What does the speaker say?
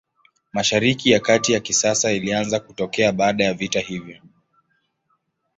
Mashariki ya Kati ya kisasa ilianza kutokea baada ya vita hiyo.